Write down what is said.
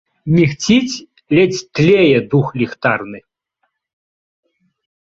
Мігціць, ледзь тлее дух ліхтарны.